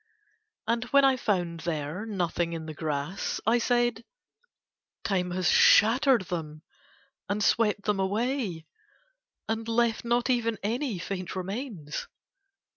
And when I found there nothing in the grass I said: "Time has shattered them and swept them away and left not even any faint remains."